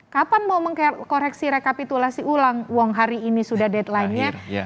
kapan mau mengkoreksi rekapitulasi ulang uang hari ini sudah deadline nya